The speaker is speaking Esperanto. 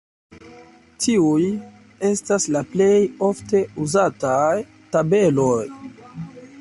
Tiuj estas la plej ofte uzataj tabeloj.